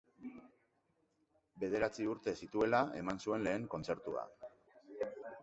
Bederatzi urte zituela eman zuen lehen kontzertua.